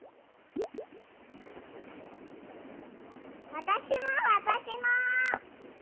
わたしもわたしも。